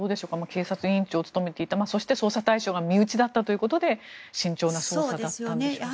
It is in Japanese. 警察委員長を務めていたそして捜査対象が身内だったということで慎重な捜査だったのでしょうか。